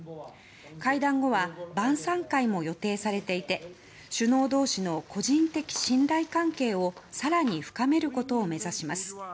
会談後は晩さん会も予定されていて首脳同士の個人的信頼関係を更に深めることを目指します。